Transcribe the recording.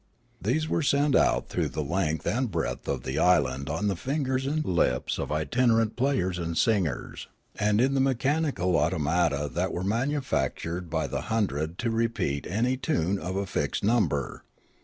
These were sent out through the length and breadth of the island on the fingers and lips The Bureau of Fame 103 of itinerant players and singers and in the mechanical automata that were manufactured by the hundred to repeat any tune of a fixed number.